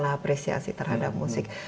apresiasi terhadap musik